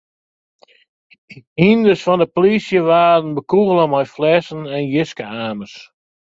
Hynders fan de polysje waarden bekûgele mei flessen en jiske-amers.